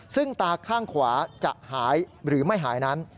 ซึ่งตาข้างขวาจะหายหรือไม่หายนั้น